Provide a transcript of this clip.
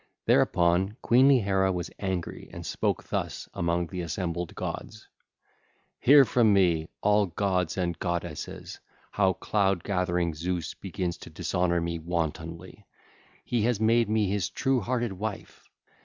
Thereupon queenly Hera was angry and spoke thus among the assembled gods: (ll. 311 330) 'Hear from me, all gods and goddesses, how cloud gathering Zeus begins to dishonour me wantonly, when he has made me his true hearted wife.